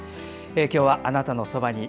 今日は「あなたのそばに」